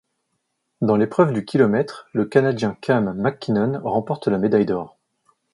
Dans l'épreuve du kilomètre, le Canadien Cam Mackinnon remporte la médaille d'or.